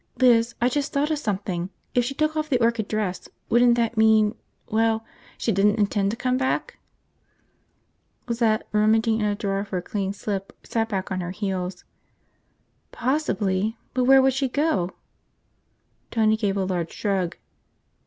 "Liz, I just thought of something! If she took off the orchid dress, wouldn't that mean ... well, she didn't intend to come back?" Lizette, rummaging in a drawer for a clean slip, sat back on her heels. "Possibly. But where would she go?" Tony gave a large shrug.